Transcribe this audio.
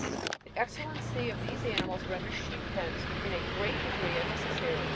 The excellency of these animals renders sheep pens in a great degree unnecessary.